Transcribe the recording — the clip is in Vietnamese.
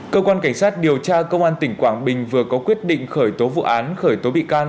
cơ quan cảnh sát điều tra công an tỉnh quảng bình vừa có quyết định khởi tố vụ án khởi tố bị can